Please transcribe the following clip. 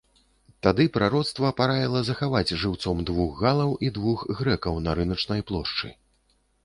Тады прароцтва параіла захаваць жыўцом двух галаў і двух грэкаў на рыначнай плошчы.